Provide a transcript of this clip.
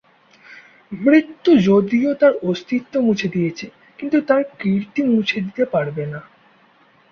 মৃত্যু যদিও তার অস্তিত্ব মুছে দিয়েছে কিন্তু তার কীর্তি মুছে দিতে পারবে না।